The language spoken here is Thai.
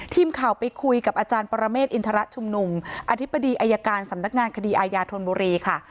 ทีมข่าวไปคุยกับอาจารย์ปรเมฆอินทรชุมนุมอธิบดีอายการสำนักงานคดีอายาธนบุรีค่ะ